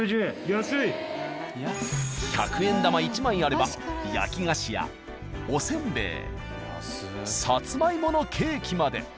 １００円玉１枚あれば焼き菓子やお煎餅さつまいものケーキまで。